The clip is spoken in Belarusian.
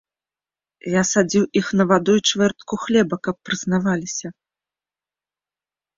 Я садзіў іх на ваду і чвэртку хлеба, каб прызнаваліся.